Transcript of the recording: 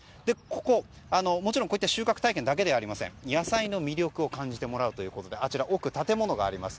ここ、もちろん収穫体験だけではありません野菜の魅力を感じてもらおうということであちらの奥に建物があります。